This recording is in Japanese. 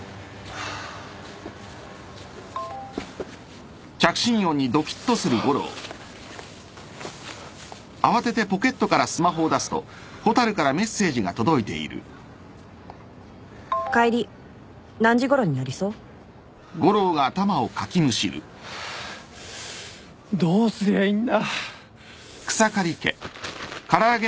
ハァどうすりゃいいんだ。